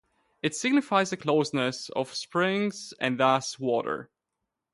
It signifies the closeness of springs and thus water.